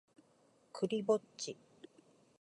クリぼっち